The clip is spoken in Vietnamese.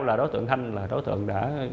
là đối tượng thanh là đối tượng đã